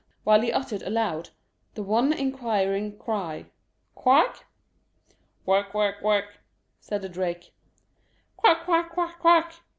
while he uttered aloud the one enquiring cry "Quaik?" "Wirk wirk wirk!" said the drake. "Quack, quack, quack, quack!"